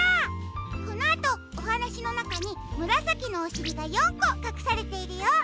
このあとおはなしのなかにむらさきのおしりが４こかくされているよ。